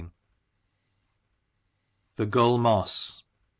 THE GULL MOSS.